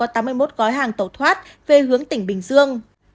có tám mươi một gói hàng tẩu thoát về hướng tỉnh bình dương